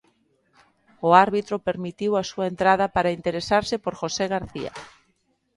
O árbitro permitiu a súa entrada para interesarse por José García.